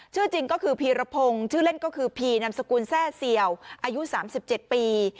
ชื่อจริงก็คือพีระพงชื่อเล่นก็คือพีนามสกุลแส้เสี่ยวอายุสามสิบเจ็ดปี